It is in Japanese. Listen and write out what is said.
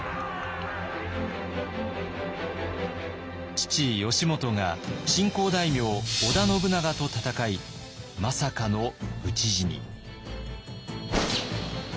父義元が新興大名織田信長と戦いまさかの討ち死に。